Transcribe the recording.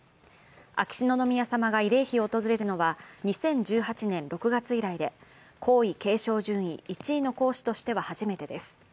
秋篠宮さまが慰霊碑を訪れるのは２０１８年年６月以来で、皇位継承順位１位の皇嗣としては初めてです。